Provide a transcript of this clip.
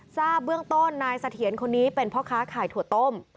ทราบเบื้องต้นนายเสถียรคนนี้เป็นพ่อค้าขายถั่วต้ม